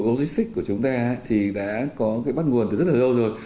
ngành dịch vụ logistics của chúng ta thì đã có cái bắt nguồn từ rất là lâu rồi